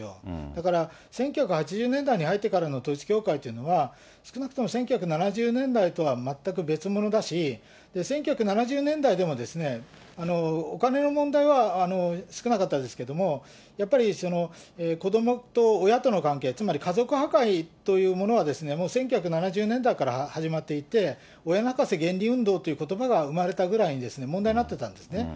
だから１９８０年代に入ってからの統一教会というのは、少なくとも１９７０年代とは全く別物だし、１９７０年代でもお金の問題は少なかったですけど、やっぱり、子どもと親との関係、つまり家族破壊というものはもう１９７０年代から始まっていて、親泣かせ原理運動ということばが生まれたぐらいに問題になってたんですね。